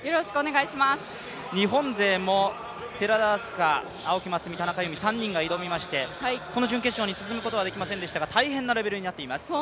日本勢も寺田明日香、青木涼真、田中佑美、３人が挑みましてこの準決勝に進むことはできませんでしたが大変なレベルになっています。